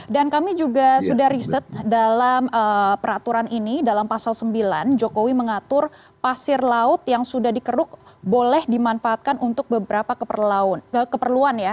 dan kami juga sudah riset dalam peraturan ini dalam pasal sembilan jokowi mengatur pasir laut yang sudah dikeruk boleh dimanfaatkan untuk beberapa keperluan ya